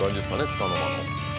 つかの間の。